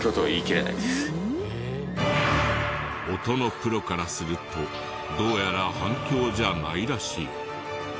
音のプロからするとどうやら反響じゃないらしい。